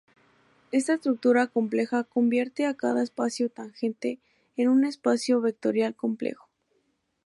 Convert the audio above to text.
Esta estructura compleja convierte a cada espacio tangente en un espacio vectorial complejo.